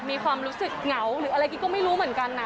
มีความรู้สึกเหงาหรืออะไรกี้ก็ไม่รู้เหมือนกันนะ